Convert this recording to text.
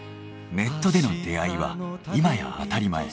ネットでの出会いは今や当たり前。